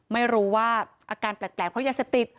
ไม่รู้ว่าอาการแปลกเพราะยาเสพติด